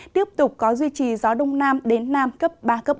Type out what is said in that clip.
tiếp tục có duy trì gió đông nam đến nam cấp ba cấp bốn